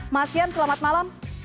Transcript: mas yan selamat malam